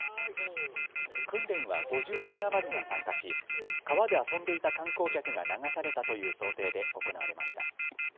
訓練は５０人余りが参加し川で遊んでいた観光客が流されたという想定で行われました。